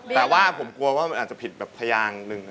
แต่ว่าผมกลัวว่ามันอาจจะผิดแบบพยางหนึ่ง